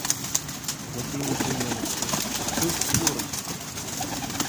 Якія непрыемнасці, хто іх створыць?